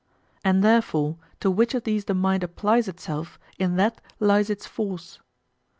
And therefore to which of these the mind applies itself, in that lies its force.